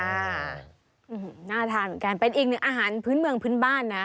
อืมน่าทานเหมือนกันเป็นอีกหนึ่งอาหารพื้นเมืองพื้นบ้านนะ